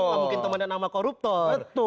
kan gak mungkin temenan sama koruptor